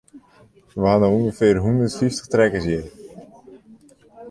We ha no ûngefear hondert fyftich trekkers hjir.